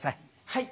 はい。